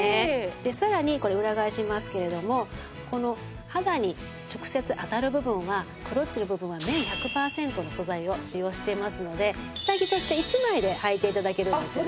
でさらにこれ裏返しますけれどもこの肌に直接当たる部分はクロッチの部分は綿１００パーセントの素材を使用していますので下着として１枚ではいて頂けるんですよね。